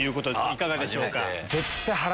いかがでしょうか？